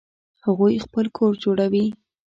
هغوی خپل کور جوړوي